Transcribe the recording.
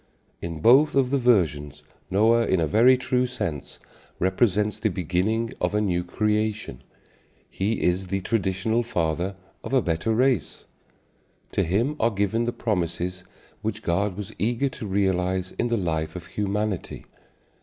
In both of the versions Noah in a very true sense represents the beginning of a new creation: he is the traditional father of a better race. To him are given the promises which God was eager to realize in the life of humanity.